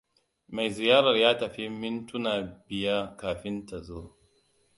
Mai ziyarar ya tafi mintuna biya kafin ka zo.